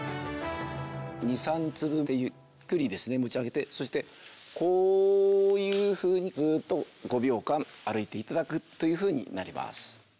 ２３粒でゆっくり持ち上げてそしてこういうふうにずっと５秒間歩いていただくというふうになります。